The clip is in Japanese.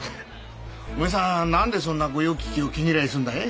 おめえさん何でそんな御用聞きを毛嫌いすんだい？